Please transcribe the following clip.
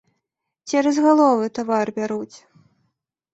Цераз галовы тавар бяруць.